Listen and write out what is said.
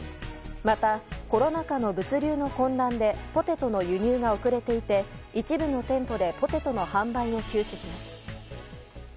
また、コロナ禍の物流の混乱でポテトの輸入が遅れていて一部の店舗でポテトの販売を休止します。